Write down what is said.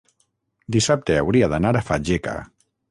Dissabte hauria d'anar a Fageca.